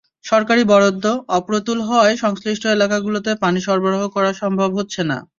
সরকারি বরাদ্দ অপ্রতুল হওয়ায় সংশ্লিষ্ট এলাকাগুলোতে পানি সরবরাহ করা সম্ভব হচ্ছে না।